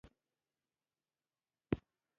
انجوګانې نا دولتي یا شخصي ادارې دي.